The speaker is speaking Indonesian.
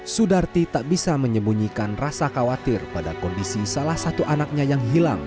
sudarti tak bisa menyembunyikan rasa khawatir pada kondisi salah satu anaknya yang hilang